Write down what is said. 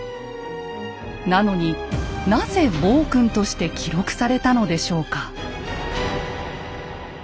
なのになぜ暴君として記録されたのでしょうか？